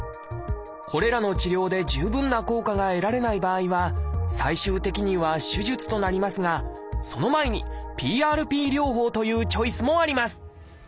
これらの治療で十分な効果が得られない場合は最終的には手術となりますがその前にＰＲＰ療法というチョイスもあります